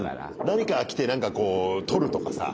何かが来てなんかこう取るとかさ。